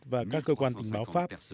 và các cơ quan tình báo pháp